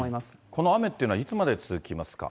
この雨っていうのは、いつまで続きますか？